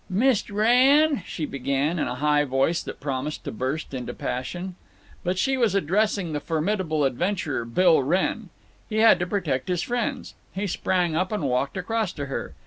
"Mist' Wrenn," she began, in a high voice that promised to burst into passion. But she was addressing the formidable adventurer, Bill Wrenn. He had to protect his friends. He sprang up and walked across to her.